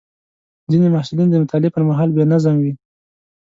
ځینې محصلین د مطالعې پر مهال بې نظم وي.